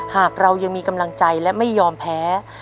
หากเรายังมีกำลังใจและไม่ยอมแพ้